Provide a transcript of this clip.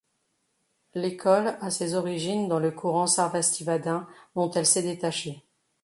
L'école a ses origines dans le courant sarvastivadin dont elle s'est détachée.